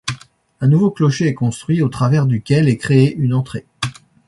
Un nouveau clocher est construit, au travers duquel est créée une entrée.